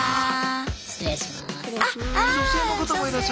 失礼します。